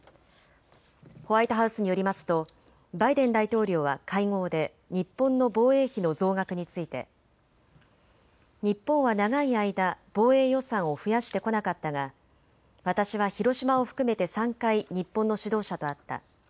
ホワイトハウスによりますとバイデン大統領は会合で日本の防衛費の増額について日本は長い間、防衛予算を増やしてこなかったが私は広島を含めて３回、日本の指導者と会った。